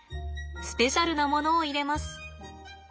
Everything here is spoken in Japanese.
スペシャルなものを入れます。